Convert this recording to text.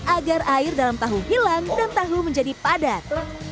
agar air dalam tahu hilang dan tahu menjadi padat